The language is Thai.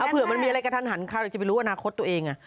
เผื่อมันมีอะไรก็ทันหันข้าวจะไปรู้ว่านาคตตัวเอง